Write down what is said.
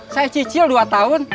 saya cicil dua tahun